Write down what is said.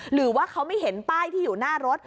หรือว่าเขาไม่เห็นป้ายที่อยู่หน้ารถ